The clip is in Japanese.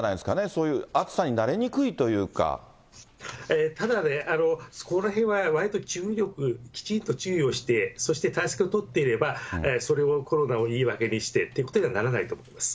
そういう暑さに慣れにくいというただね、そこらへんはわりと注意力、きちんと注意をして、そして対策を取っていれば、それをコロナの言い訳にしてとはならないと思います。